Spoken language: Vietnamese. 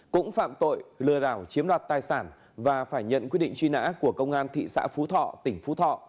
cũng phạm tội lừa đảo chiếm đoạt tài sản và phải nhận quyết định truy nã của công an thị xã phú thọ tỉnh phú thọ